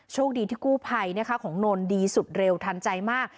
โชคดีที่กู้ภัยนะคะของนนดีสุดเร็วทันใจมาก